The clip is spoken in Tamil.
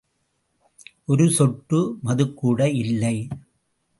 ஒரு சொட்டு மதுக்கூட இல்லை.